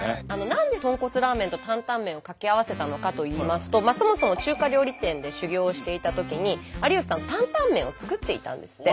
何で豚骨ラーメンとタンタン麺を掛け合わせたのかといいますとそもそも中華料理店で修業をしていたときに有吉さんタンタン麺を作っていたんですって。